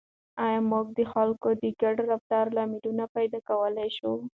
آیا موږ د خلکو د ګډ رفتار لاملونه پیدا کولای شو؟